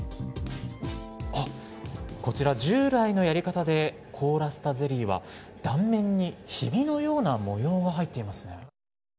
あっ、こちら従来のやり方で凍らせたゼリーは、断面にひびのような模様が入っていますね。